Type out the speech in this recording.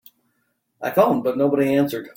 I phoned but nobody answered.